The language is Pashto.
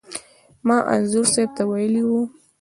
ما انځور صاحب ته ویلي و.